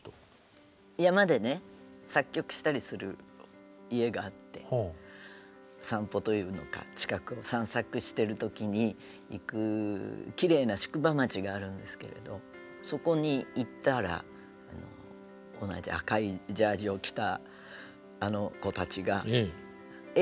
山でね作曲したりする家があって散歩というのか近くを散策してる時に行くきれいな宿場町があるんですけれどそこに行ったら同じ赤いジャージーを着たあの子たちが絵を描いてたんですよ。